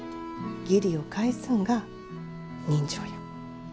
義理を返すんが人情や。